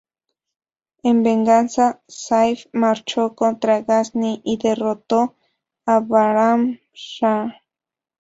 En venganza, Sayf marchó contra Gazni y derrotó a Bahram-Shah.